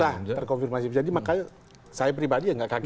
nah terkonfirmasi jadi makanya saya pribadi ya nggak kaget